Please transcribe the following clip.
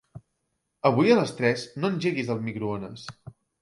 Avui a les tres no engeguis el microones.